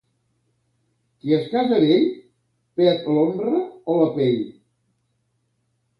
Qui es casa vell, perd l'honra o la pell.